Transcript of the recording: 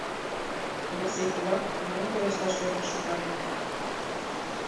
Элексей кува нимом пелешташ ӧрын шогале.